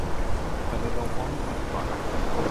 อย่าลืมลงฟอนต์ไทยก่อน